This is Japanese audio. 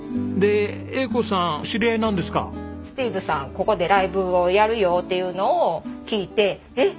ここでライブをやるよっていうのを聞いてえっ